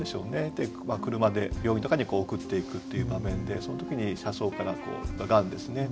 車で病院とかに送っていくという場面でその時に車窓から雁ですね